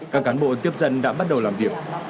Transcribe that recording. các cán bộ tiếp dân đã bắt đầu làm việc